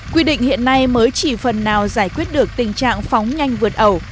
quy định hiện nay mới chỉ phần nào giải quyết được tình trạng phóng nhanh vượt ẩu